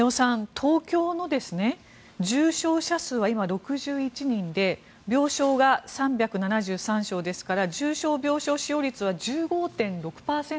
東京の重症者数は今、６１人で病床は３７３床ですから重症病床使用率は１５．６％